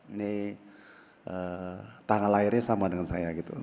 ini tangan lahirnya sama dengan saya gitu